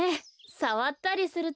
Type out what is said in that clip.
さわったりすると。